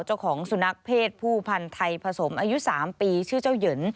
เจ้าของสุนัขเพศผู้พันธ์ไทยผสมอายุ๓ปีชื่อเจ้าเหยิน